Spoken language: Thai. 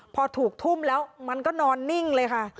พอถูกทุ่มแล้วมันก็นอนนิ่งเลยค่ะ